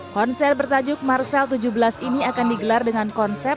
konser bertajuk marcel tujuh belas ini akan digelar dengan konsep